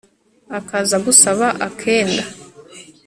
akaza agusaba akenda